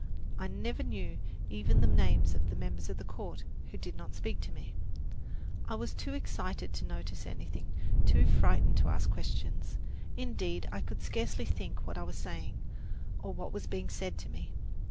I never knew even the names of the members of the "court" who did not speak to me. I was too excited to notice anything, too frightened to ask questions. Indeed, I could scarcely think what I was saying, or what was being said to me.